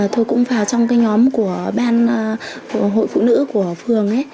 tôi cũng vào trong cái nhóm của ban hội phụ nữ của phường